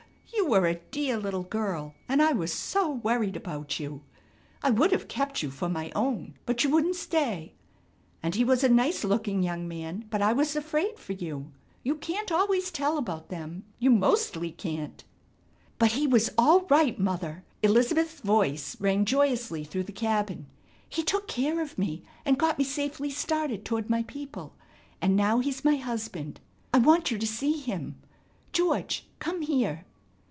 You were a dear little girl, and I was so worried about you. I would have kept you for my own but you wouldn't stay. And he was a nice looking young man, but I was afraid for you You can't always tell about them You mostly can't !" "But he was all right Mother!" Elizabeth's voice rang joyously through the cabin, "He took care of me and got me safely started toward my people, and now he's my husband. I want you to see him. George come here!"